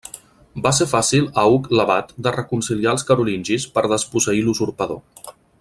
Va ser fàcil a Hug l'Abat de reconciliar els carolingis per desposseir l'usurpador.